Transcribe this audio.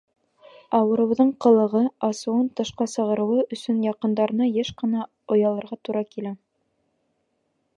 Ауырыуҙың ҡылығы, асыуын тышҡа сығарыуы өсөн яҡындарына йыш ҡына оялырға ла тура килә.